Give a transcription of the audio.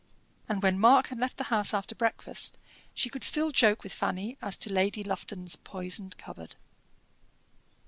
And when Mark had left the house after breakfast, she could still joke with Fanny as to Lady Lufton's poison cupboard.